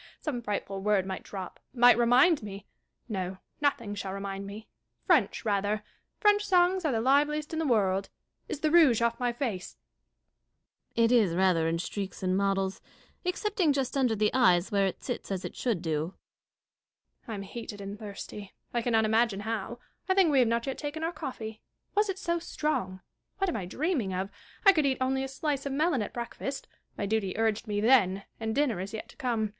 Some frightful word might drop — might remind me — no, nothing shall remind me. French, rather : French songs are the liveliest in the world. CATHARINE AND PRTNCESS DASHKOF. 93 Is the rouge off my face % Dashkof. It is rather in streaks and mottles ; excepting just under the eyes, where it sits as it should do. Catharine. I am heated and thirsty : I cannot imagine how. I think we have not yet taken our coffee. Was it so strong'? What am I dreaming of? I could eat only a slice of melon at breakfast ; my duty urged me then, and dinner is yet to come.